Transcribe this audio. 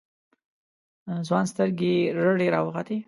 ځوان سترگې رډې راوختې.